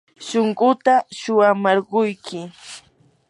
shunquuta suwamarquyki.